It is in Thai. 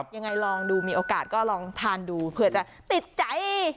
ยังไงลองดูมีโอกาสก็ลองทานดูเผื่อจะติดใจ